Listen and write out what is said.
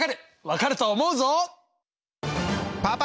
分かると思うぞ！